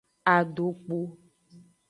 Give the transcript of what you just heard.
Adokpu.